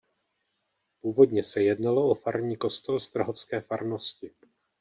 Původně se jednalo o farní kostel strahovské farnosti.